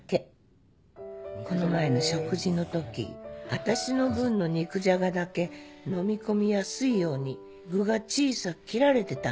この前の食事のとき私の分の肉じゃがだけのみ込みやすいように具が小さく切られてたのよ。